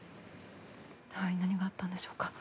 何があったんでしょうか。